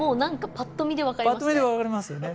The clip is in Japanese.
ぱっと見で分かりますよね。